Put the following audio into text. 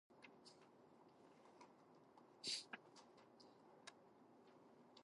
Peruvian popular opinion considered the treaty as detrimental to Peru's national honor.